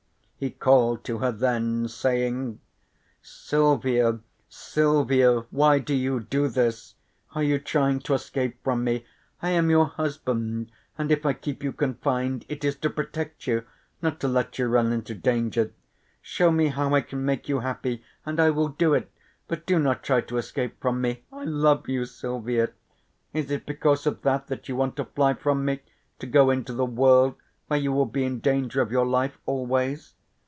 He called to her then, saying: "Silvia, Silvia, why do you do this? Are you trying to escape from me? I am your husband, and if I keep you confined it is to protect you, not to let you run into danger. Show me how I can make you happy and I will do it, but do not try to escape from me. I love you, Silvia; is it because of that that you want to fly from me to go into the world where you will be in danger of your life always?